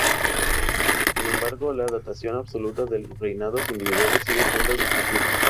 Sin embargo, la datación absoluta de los reinados individuales sigue siendo discutida.